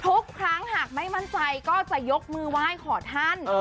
ทุกครั้งหากไม่มั่นใจก็จะยกมือไหว้ขอท่าน